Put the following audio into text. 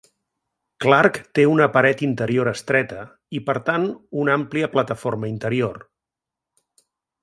Clark té una paret interior estreta, i per tant un àmplia plataforma interior.